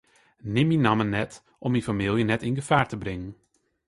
Neam myn namme net om myn famylje net yn gefaar te bringen.